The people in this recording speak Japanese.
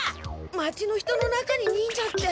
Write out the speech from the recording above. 町の人の中に忍者って。